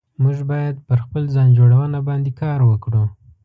موږ بايد پر خپل ځان جوړونه باندي کار وکړو